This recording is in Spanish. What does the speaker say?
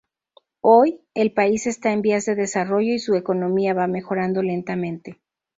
Hoy, el país está en vías de desarrollo y su economía va mejorando lentamente.